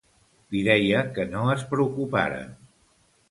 Li deia que no es preocuparen.